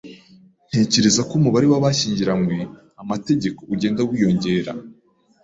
Ntekereza ko umubare w'abashyingiranywe-amategeko ugenda wiyongera.